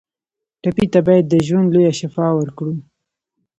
ټپي ته باید د ژوند لویه شفا ورکړو.